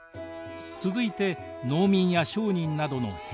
続いて農民や商人などの平民。